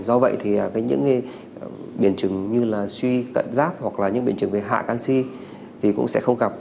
do vậy thì những cái biển chứng như là suy cẩn giáp hoặc là những biển chứng về hạ canxi thì cũng sẽ không gặp